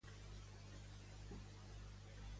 On apareix Ialisos mencionada?